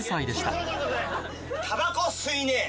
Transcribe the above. たばこ吸いねぇ。